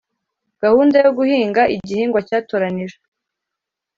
gahunda yo guhinga igihingwa cyatoranijwe